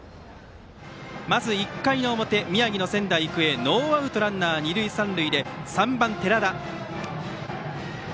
１回の表、宮城の仙台育英ノーアウトランナー、二塁三塁で３番、寺田。